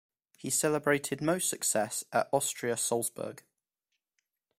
He celebrated most success at Austria Salzburg.